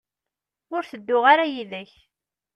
Ur tedduɣ ara yid-k.